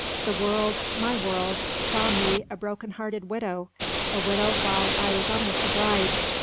The world my world saw me a broken hearted widow a widow while I was almost a bride.